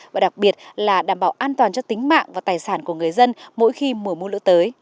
và đặc biệt là đảm bảo an toàn cho tính mạng và tài sản của người dân mỗi khi mùa mưa lũ tới